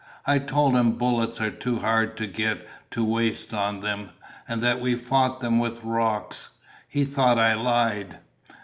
I told him bullets are too hard to get to waste on them, and that we fought them with rocks. He thought I lied."